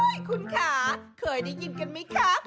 คุณค่ะเคยได้ยินกันไหมคะ